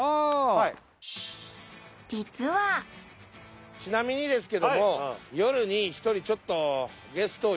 実はなみにですけども夜に１人ちょっと。